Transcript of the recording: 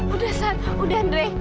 udah sat udah ndre